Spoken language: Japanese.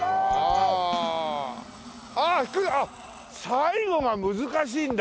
最後が難しいんだ。